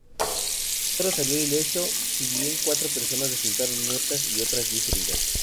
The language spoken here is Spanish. Soro salió ileso, si bien cuatro personas resultaron muertas y otras diez, heridas.